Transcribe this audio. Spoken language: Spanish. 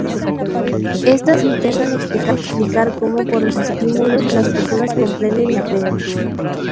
Estas intentan explicar como por medio de los estímulos las personas comprenden y aprenden.